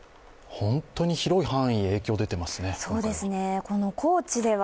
本当に広い範囲に影響が出ていますね、今回は。